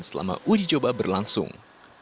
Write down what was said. selama uji coba berlangsung